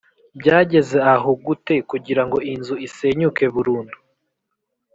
byageze aho gute kugirango inzu isenyuke burundu?